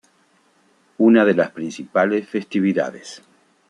Una de las principales festividades